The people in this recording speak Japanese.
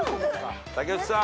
竹内さん。